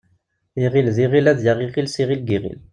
Iɣil d iɣil ad yaɣ iɣil s yiɣil deg yiɣil.